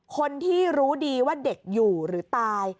คนที่รู้ดีว่าเด็กอยู่หรือตาย